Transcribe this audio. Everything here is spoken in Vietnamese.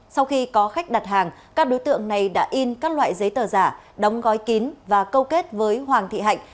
sau khi có khách đặt hàng các đối tượng này đã in các loại giấy tờ giả đóng gói kín và câu kết với hoàng thị hạnh